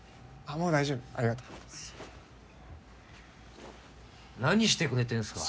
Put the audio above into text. もう大丈夫ありがとう何してくれてんすか